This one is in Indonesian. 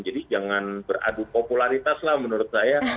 jadi jangan beradu popularitas lah menurut saya